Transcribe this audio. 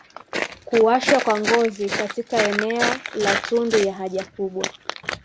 kuwashwa kwa ngozi katika eneo la tundu ya haja kubwa